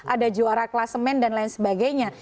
ada juara kelasemen dan lain sebagainya